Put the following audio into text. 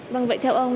vâng vậy theo ông